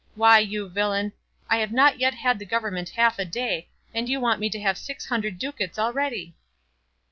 Why, you villain, I have not yet had the government half a day, and you want me to have six hundred ducats already!"